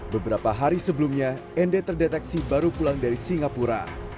beberapa hari sebelumnya nd terdeteksi baru pulang dari singapura